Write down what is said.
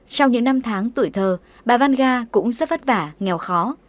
trong những năm tháng tuổi thơ bà vanga cũng rất vất vả nghèo khó